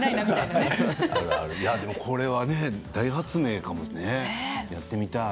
これは大発明やってみたい。